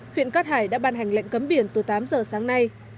huyện cát hải đã ban hành lệnh cấm biển từ tám giờ sáng nay